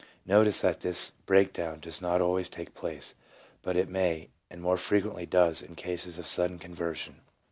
Notice that this breakdown does not always take place, but it may, and more frequently does in cases of sudden conversion.